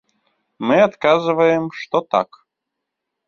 Мы адказваем, што так.